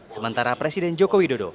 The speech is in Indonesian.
sementara presiden joko widodo